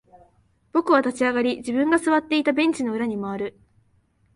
僕は立ち上がり、自分が座っていたベンチの裏に回る。